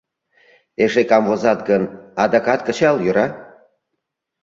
Эше камвозат гын, адакат кычал, йӧра?